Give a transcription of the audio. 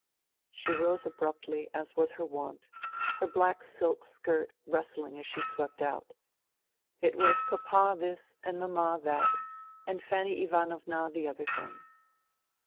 ..." She rose abruptly, as was her wont, her black silk skirt rustling as she swept out. It was " Papa this " and " Mamma that " and " Fanny Ivanovna the other thing."